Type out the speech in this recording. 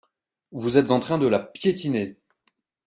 Vous êtes en train de la piétiner.